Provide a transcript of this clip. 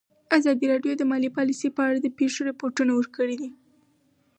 ازادي راډیو د مالي پالیسي په اړه د پېښو رپوټونه ورکړي.